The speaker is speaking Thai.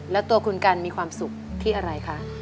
แล้วตัวคุณกันมีความสุขที่อะไรคะ